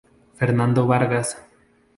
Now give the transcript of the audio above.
Fernando Vargas.